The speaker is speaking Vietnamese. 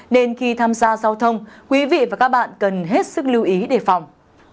nên khi tham gia giao thông quý vị và các bạn cần hết sức lưu ý đề phòng